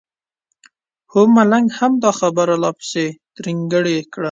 هو ملنګ هم دا خبره لا پسې ترینګلې کړه.